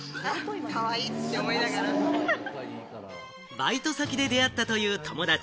バイト先で出会ったという友達。